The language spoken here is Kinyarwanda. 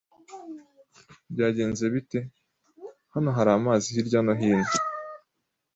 Byagenze bite? Hano hari amazi hirya no hino.